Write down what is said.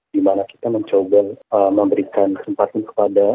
dimana kita mencoba memberikan kesempatan kepada